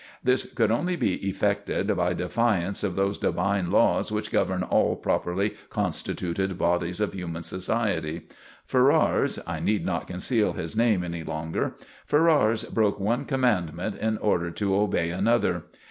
This could only be effected by defiance of those divine laws which govern all properly constituted bodies of human society. Ferrars I need not conceal his name any longer Ferrars broke one commandment in order to obey another.